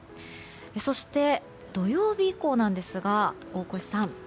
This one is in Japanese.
そして、土曜日以降なんですが大越さん。